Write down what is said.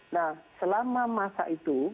nah selama masa itu